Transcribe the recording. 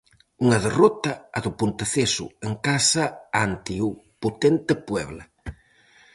Unha derrota, a do Ponteceso en casa ante o potente Puebla.